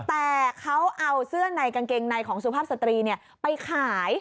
แต่เขาเอาเสื้อในกางเกงในของสุภาพสตรีไปขาย